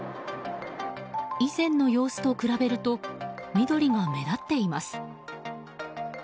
以前の様子と比べると緑が目立っています。